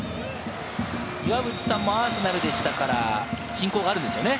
岩渕さんもアーセナルでしたから、親交があるんですよね。